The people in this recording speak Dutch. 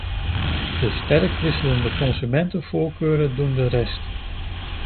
De sterk wisselende consumentenvoorkeuren doen de rest.